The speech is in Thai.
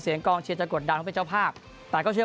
เสียงกล้องเชียรจะกดดันให้เป็นเจ้าภาพแต่ก็เชื่อ